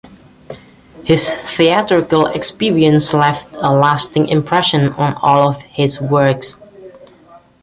His theatrical experience left a lasting impression on all of his works.